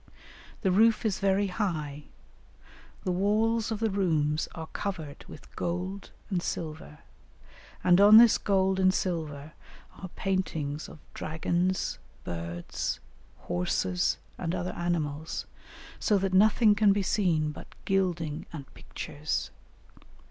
The roof is very high, the walls of the rooms are covered with gold and silver, and on this gold and silver are paintings of dragons, birds, horses, and other animals, so that nothing can be seen but gilding and pictures.